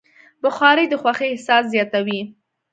بخاري د خوښۍ احساس زیاتوي.